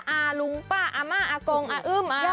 อาลุงป้าอาม่าอากงอาอึ้ม